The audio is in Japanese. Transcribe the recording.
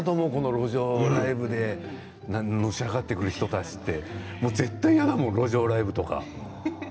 路上ライブでのし上がってくる人たちって絶対嫌だ、もう路上ライブとか。